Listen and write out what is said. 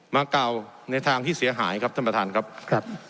มากล่าวในทางที่เสียหายครับท่านประธานครับครับ